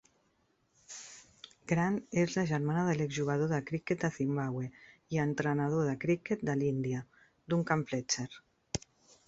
Grant és la germana de l'ex jugador de criquet de Zimbabwe i entrenador de criquet de l'Índia, Duncan Fletcher.